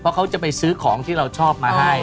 เพราะเขาจะไปซื้อของที่เราชอบมาให้